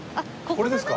これですね。